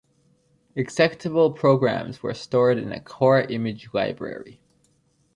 Executable programs were stored in a "Core Image Library".